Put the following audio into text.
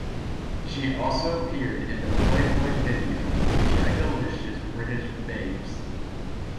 She also appeared in the "Playboy" video "Shagalicious British Babes".